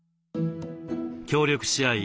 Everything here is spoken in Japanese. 協力し合い